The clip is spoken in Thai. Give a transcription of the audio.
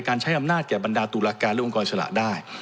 ใช้อำนาจแก่บรรดาตุลาการและองค์กรอิสระได้